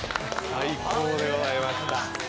最高でございました。